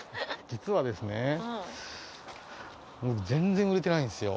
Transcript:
実はですね、僕、全然売れてないんですよ。